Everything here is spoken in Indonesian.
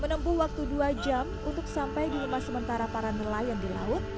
menempuh waktu dua jam untuk sampai di rumah sementara para nelayan di laut